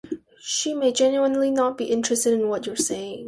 She may genuinely not be interested in what you're saying.